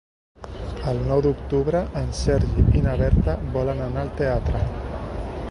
El nou d'octubre en Sergi i na Berta volen anar al teatre.